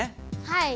はい。